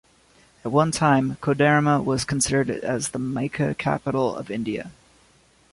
At one time, Koderma was considered as the mica capital of India.